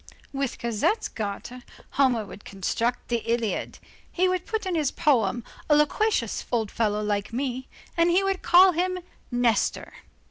With Cosette's garter, Homer would construct the Iliad. He would put in his poem, a loquacious old fellow, like me, and he would call him Nestor.